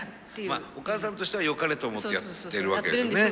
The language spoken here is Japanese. まあお母さんとしてはよかれと思ってやってるわけですよね。